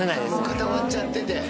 固まっちゃってて。